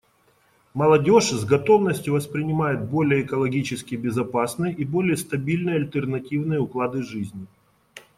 Молодежь с готовностью воспринимает более экологически безопасные и более стабильные альтернативные уклады жизни.